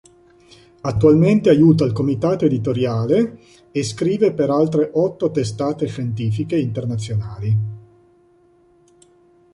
Attualmente aiuta il comitato editoriale e scrive per altre otto testate scientifiche internazionali.